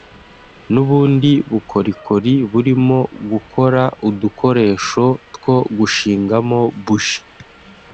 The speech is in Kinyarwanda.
n’ubundi bukorikori burimo gukora udukoresho two gushingamo bougies